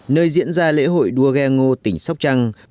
nơi diễn ra lễ hội đua ghe ngô tỉnh sóc trăng